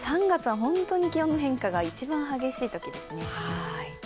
３月は本当に気温の変化が一番激しいときですね。